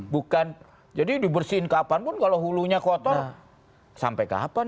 bukan jadi dibersihin kapanpun kalau hulunya kotor sampai kapan